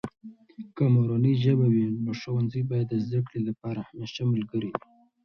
که مورنۍ ژبه وي، نو ښوونځي باید د زده کړې لپاره همیشه ملګری وي.